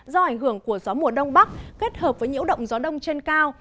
do ảnh hưởng của gió mùa đông bắc kết hợp với nhiễu động gió đông trên cao